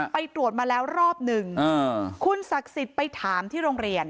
ไปตรวจมาแล้วรอบหนึ่งคุณศักดิ์สิทธิ์ไปถามที่โรงเรียน